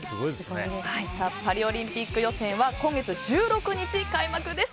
パリオリンピック予選は今月１６日開幕です。